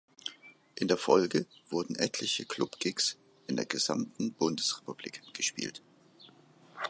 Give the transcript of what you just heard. In der Folge wurden etliche Club-Gigs in der gesamten Bundesrepublik gespielt.